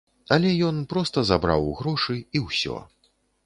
Але ён проста забраў грошы і ўсё.